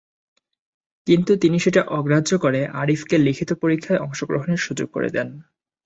কিন্তু তিনি সেটা অগ্রাহ্য করে আরিফকে লিখিত পরীক্ষায় অংশগ্রহণের সুযোগ করে দেন।